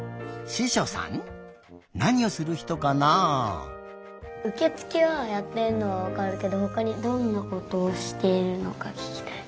うけつけはやってんのはわかるけどほかにどんなことをしているのかききたい。